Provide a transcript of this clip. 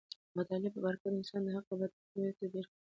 د مطالعې په برکت انسان د حق او باطل تر منځ توپیر کولی شي.